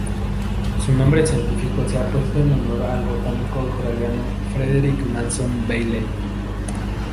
Su nombre científico se ha puesto en honor del botánico australiano Frederick Manson Bailey.